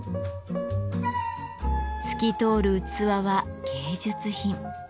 透き通る器は芸術品。